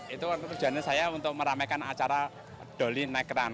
itu tujuannya saya untuk meramaikan acara doli naik run